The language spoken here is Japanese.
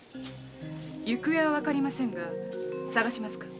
行方はわかりませんが捜しますか？